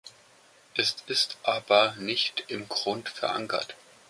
Es ist aber nicht im Grund verankert.